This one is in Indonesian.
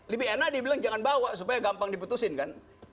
lebih enak dia bilang jangan bawa supaya gampang diputusin kan